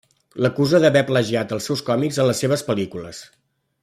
L'acusa d'haver plagiat els seus còmics en les seves pel·lícules.